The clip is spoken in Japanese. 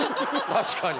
確かに。